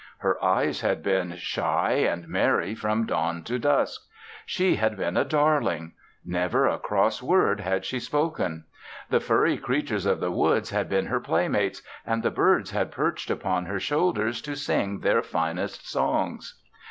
Her eyes had been shy and merry from dawn to dusk. She had been a darling; never a cross word had she spoken. The furry creatures of the woods had been her playmates and the birds had perched upon her shoulders to sing their finest songs.